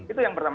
itu yang pertama